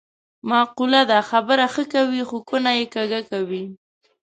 معقوله ده: خبره ښه کوې خو کونه یې کږه کوې.